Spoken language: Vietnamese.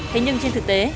thế nhưng trên thực tế